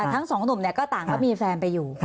ทั้งสองหนุ่มก็ต่างก็มีแฟนไปอยู่